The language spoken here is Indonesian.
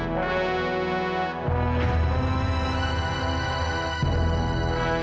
saya ingin membuatmu kehendak supaya